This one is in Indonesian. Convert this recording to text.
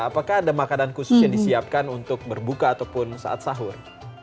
apakah ada makanan khusus yang disiapkan untuk berbuka ataupun saat sahur